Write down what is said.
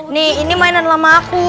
nih ini mainan lama aku